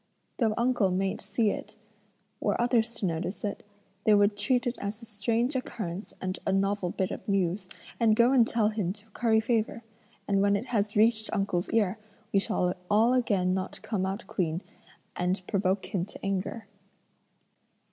Though uncle mayn't see it, were others to notice it, they would treat it as a strange occurrence and a novel bit of news, and go and tell him to curry favour, and when it has reached uncle's ear, we shall all again not come out clean, and provoke him to anger."